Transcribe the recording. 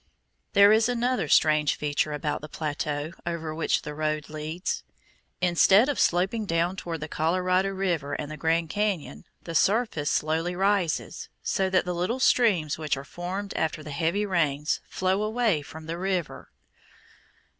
There is another strange feature about the plateau over which the road leads; instead of sloping down toward the Colorado River and the Grand Cañon, the surface slowly rises, so that the little streams which are formed after the heavy rains flow away from the river.